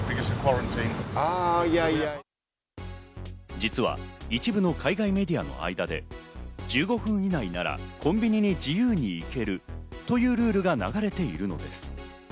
実は一部の海外メディアの間で１５分以内ならコンビニに自由に行けるというルールが流れているのです。